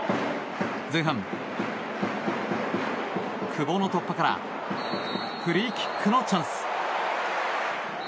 前半、久保の突破からフリーキックのチャンス。